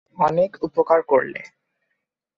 অনেক উপকার করলে।